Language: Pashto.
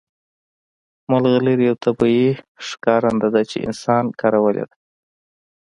ملغلرې یو طبیعي ښکارنده ده چې انسان کارولې ده